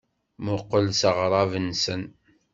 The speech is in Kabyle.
Mmuqqel s aɣrab-nsen.